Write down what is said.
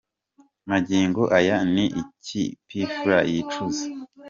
Magingo aya ni iki P Fla yicuza ?.